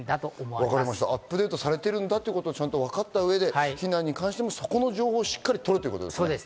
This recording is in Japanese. アップデートされているんだということがわかって避難に関してもそこの情報をしっかりとるということですね。